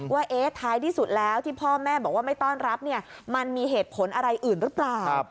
ว่าท้ายที่สุดแล้วที่พ่อแม่บอกว่าไม่ต้อนรับเนี่ยมันมีเหตุผลอะไรอื่นหรือเปล่า